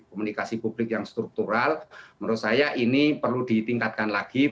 komunikasi publik yang struktural menurut saya ini perlu ditingkatkan lagi